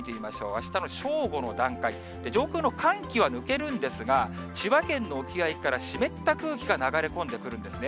あしたの正午の段階、上空の寒気は抜けるんですが、千葉県の沖合から湿った空気が流れ込んでくるんですね。